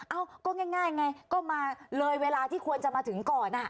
เอ้าก็ง่ายไงก็มาเลยเวลาที่ควรจะมาถึงก่อน